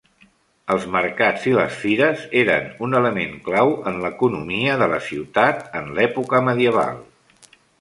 Els mercats i les fires eren un element clau en l'economia de la ciutat en l'època medieval.